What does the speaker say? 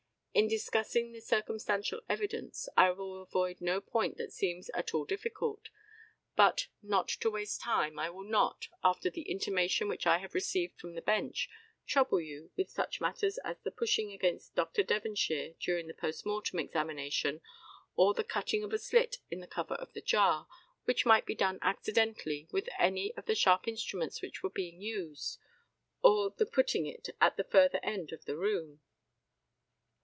In discussing the circumstantial evidence, I will avoid no point that seems at all difficult; but, not to waste time, I will not, after the intimation which I have received from the bench, trouble you with such matters as the pushing against Dr. Devonshire during the post mortem examination or the cutting of a slit in the cover of the jar, which might be done accidentally with any of the sharp instruments which were being used, or the putting it at the further end of the room.